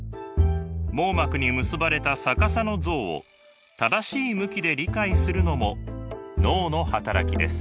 網膜に結ばれた逆さの像を正しい向きで理解するのも脳の働きです。